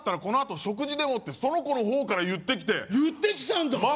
「このあと食事でも」ってその子の方から言ってきて言ってきたんだ！